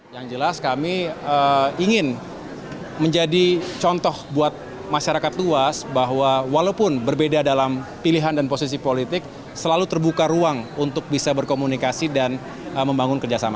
yang jelas kami ingin menjadi contoh buat masyarakat luas bahwa walaupun berbeda dalam pilihan dan posisi politik selalu terbuka ruang untuk bisa berkomunikasi dan membangun kerjasama